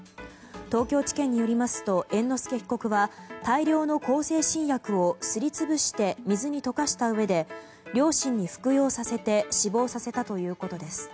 東京地検によりますと猿之助被告は大量の向精神薬をすり潰して水に溶かしたうえで両親に服用させて死亡させたということです。